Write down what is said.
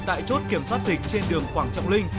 tại chốt kiểm soát dịch trên đường quảng trọng linh